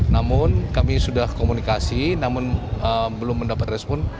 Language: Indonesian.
namun kami sudah komunikasi namun belum mendapat respon